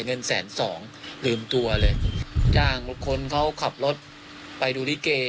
เงินแสนสองลืมตัวเลยจ้างรถคนเขาขับรถไปดูลิเก